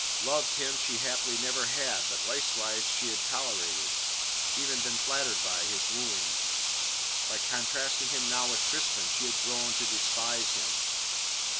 Loved him she haply never had, but leastways she had tolerated been even flattered by his wooing. By contrasting him now with Crispin she had grown to despise him.